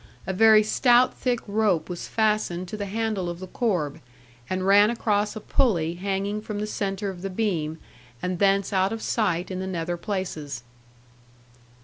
A very stout thick rope was fastened to the handle of the corb, and ran across a pulley hanging from the centre of the beam, and thence out of sight in the nether places.